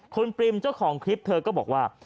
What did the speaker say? คุณปริมเจ้าของคลิปเธอก็บอกว่า